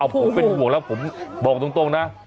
ผมเป็นห่วงแล้วผมบอกตรงนะ